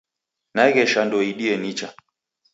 Nagesha ndouidie nicha.